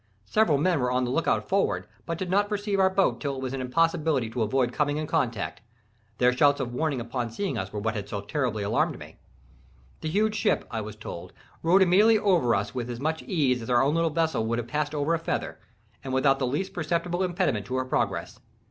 Several men were on the look out forward, but did not perceive our boat until it was an impossibility to avoid coming in contact—their shouts of warning upon seeing us were what so terribly alarmed me. The huge ship, I was told, rode immediately over us with as much ease as our own little vessel would have passed over a feather, and without the least perceptible impediment to her progress.